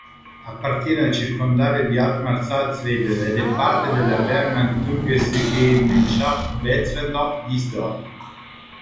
Appartiene al circondario di Altmark Salzwedel ed è parte della Verwaltungsgemeinschaft Beetzendorf-Diesdorf.